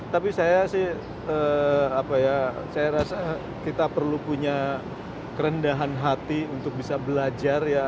tapi saya sih apa ya saya rasa kita perlu punya kerendahan hati untuk bisa belajar ya